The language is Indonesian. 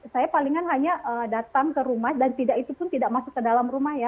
saya palingan hanya datang ke rumah dan tidak itu pun tidak masuk ke dalam rumah ya